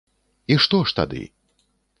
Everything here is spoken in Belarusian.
І што ж тады?